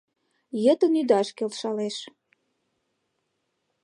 Йытын ӱдаш келшалеш.